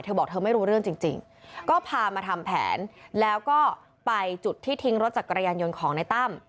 บอกเธอไม่รู้เรื่องจริงก็พามาทำแผนแล้วก็ไปจุดที่ทิ้งรถจักรยานยนต์ของในตั้ม